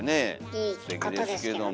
いいことですけどね。